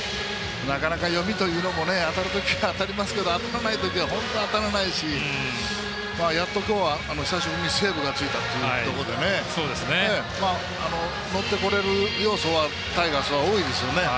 読みというのは当たる時は当たりますけど当たらないときは本当に当たらないしやっと、今日は久しぶりにセーブがついたということで乗ってこれる要素はタイガース、多いですよね。